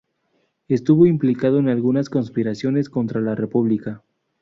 Estuvo implicado en algunas conspiraciones contra la República.